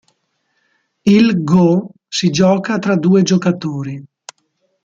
Il go si gioca tra due giocatori.